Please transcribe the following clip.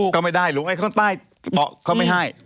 ก็ไม่ได้หรือไงข้างใต้เขาไม่ให้